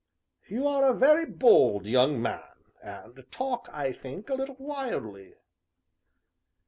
"You are a very bold young man, and talk, I think, a little wildly."